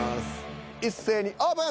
一斉にオープン。